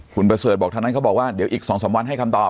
คุณประเสริฐบอกทางนั้นเขาบอกว่าเดี๋ยวอีก๒๓วันให้คำตอบ